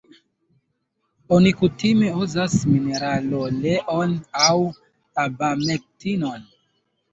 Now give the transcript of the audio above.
Oni kutime uzas mineraloleon aŭ abamektinon.